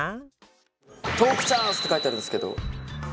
「トークチャンス！」って書いてあるんですけど。